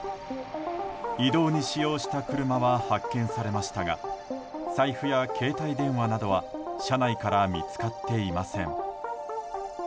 移動に使用した車は発見されましたが財布や携帯電話などは車内から見つかっていません。